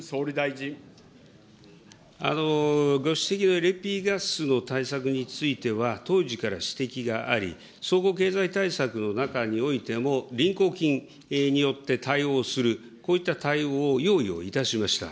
ご指摘のＬＰガスの対策については、当時から指摘があり、総合経済対策の中においても、臨交金によって対応する、こういった対応を用意をいたしました。